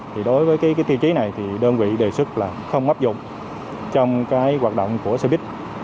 thì đối với cái tiêu chí này thì đơn vị đề xuất là không áp dụng trong cái hoạt động của xe buýt